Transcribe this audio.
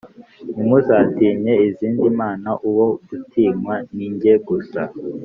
Ntimuzatinye izindi mana uwo gutinywa ninjye gusa